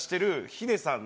ヒデさん！